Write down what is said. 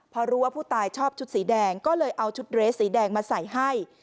พอรู้ว่าผู้ตายชอบชุดสีแดงก็เลยเอาชุดเรสสีแดงมาใส่ให้